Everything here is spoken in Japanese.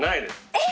えっ？